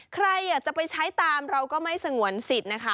ใครอยากจะไปใช้ตามเราก็ไม่สงวนสิทธิ์นะคะ